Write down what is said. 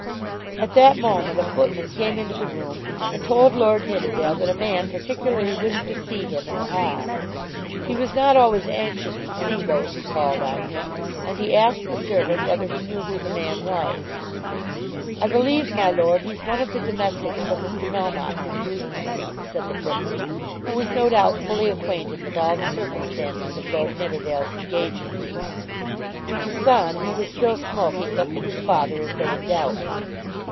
At that moment a footman came into the room and told Lord Nidderdale that a man particularly wished to see him in the hall. He was not always anxious to see those who called on him, and he asked the servant whether he knew who the man was. "I believe, my lord, he's one of the domestics from Mr. Melmotte's in Bruton Street," said the footman, who was no doubt fully acquainted with all the circumstances of Lord Nidderdale's engagement. The son, who was still smoking, looked at his father as though in doubt.